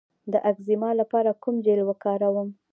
د اکزیما لپاره کوم جیل وکاروم؟